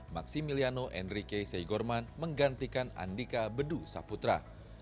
maximiliano enrique segorman menggantikan andika bedu saputra